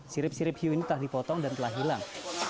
sirip sirip hiu ini telah dipotong dan telah hilang